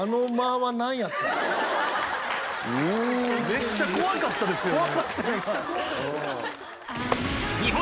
めっちゃ怖かったですよね。